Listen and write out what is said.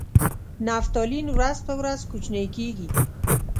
نفتالین ورځ په ورځ کوچنۍ کیږي.